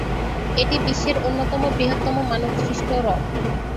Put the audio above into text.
এটি বিশ্বের অন্যতম বৃহত্তম মানবসৃষ্ট হ্রদ।